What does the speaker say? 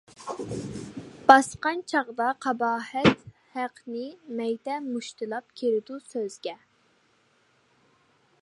باسقان چاغدا قاباھەت ھەقنى، مەيدە مۇشتلاپ كېرىدۇ سۆزگە.